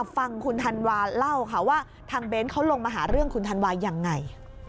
ฟังคุณธันวาเล่าค่ะว่าทางเบ้นเขาลงมาหาเรื่องคุณธันวายังไง